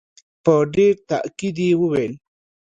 په ډېر تاءکید وویل.